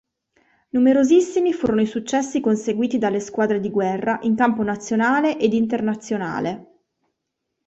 Numerosissimi furono i successi conseguiti dalle squadre di Guerra in campo nazionale ed internazionale.